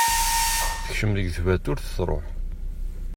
Tekcem deg twaturt, truḥ.